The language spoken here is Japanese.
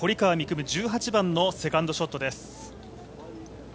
夢１８番のセカンドショットです。